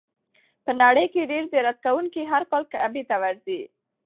په نړۍ کې ډېر زیارت کوونکي هر کال کعبې ته ورځي.